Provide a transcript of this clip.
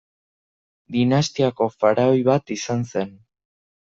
Dinastiako faraoi bat izan zen.